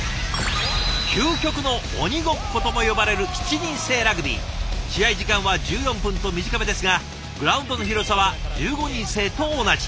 「究極の鬼ごっこ」とも呼ばれる試合時間は１４分と短めですがグラウンドの広さは１５人制と同じ。